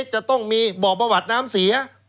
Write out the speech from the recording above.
จะต้องมีบ่อประวัติน้ำเสีย